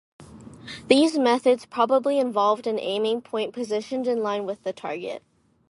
These methods probably involved an aiming point positioned in line with the target.